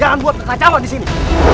jangan buat kekacauan disini